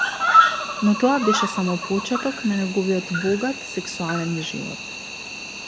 Но тоа беше само почеток на неговиот богат сексуален живот.